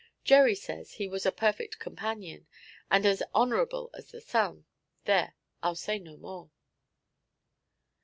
Gerry says he was a perfect companion, "and as honourable as the sun." There, I'll say no more.'